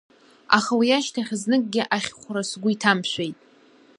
Аха уи ашьҭахь зныкгьы ахьхәра сгәы иҭамшәеит.